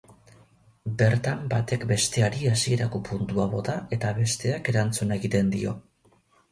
Bertan batek besteari hasierako puntua bota eta besteak erantzun egiten dio.